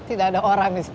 tidak ada orang di situ